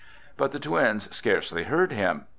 But the twins scarcely heard him.